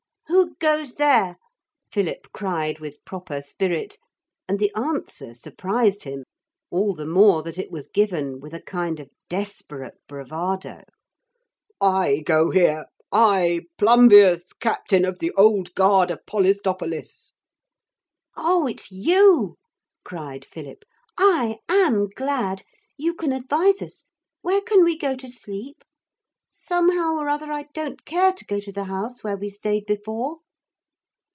'Who goes there?' Philip cried with proper spirit, and the answer surprised him, all the more that it was given with a kind of desperate bravado. 'I go here; I, Plumbeus, Captain of the old Guard of Polistopolis.' 'Oh, it's you!' cried Philip; 'I am glad. You can advise us. Where can we go to sleep? Somehow or other I don't care to go to the house where we stayed before.'